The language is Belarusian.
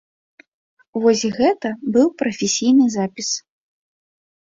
Вось гэта быў прафесійны запіс.